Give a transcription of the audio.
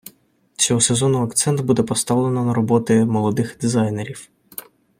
Цього сезону акцент буде поставлено на роботи молодих дизайнерів.